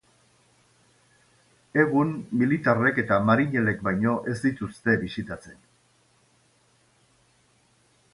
Egun, militarrek eta marinelek baino ez dituzte bisitatzen.